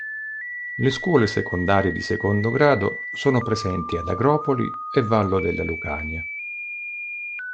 Le Scuole Secondarie di Secondo Grado sono presenti ad Agropoli e Vallo della Lucania.